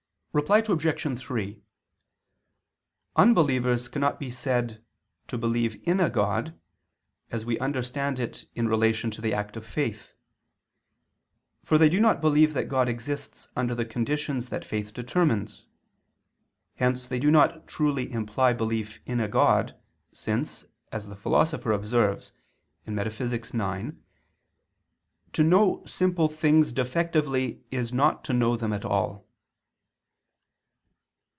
Reply Obj. 3: Unbelievers cannot be said "to believe in a God" as we understand it in relation to the act of faith. For they do not believe that God exists under the conditions that faith determines; hence they do not truly imply believe in a God, since, as the Philosopher observes (Metaph. ix, text. 22) "to know simple things defectively is not to know them at all."